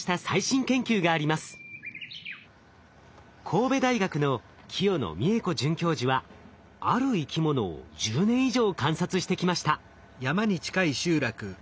神戸大学の清野未恵子准教授はある生き物を１０年以上観察してきました。